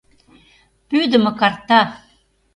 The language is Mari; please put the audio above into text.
Пӱйдымӧ карта!